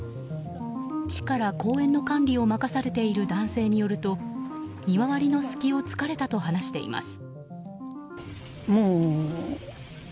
市から公園の管理を任されている男性によると見回りの隙を突かれたと話しています。